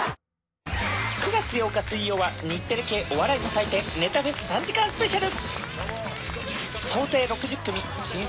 ９月８日水曜は、日テレ系お笑いの祭典、ネタフェス３時間スペシャル。